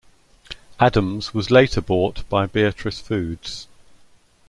Adams was later bought by Beatrice Foods.